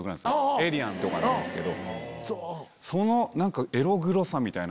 『エイリアン』とかなんですけど。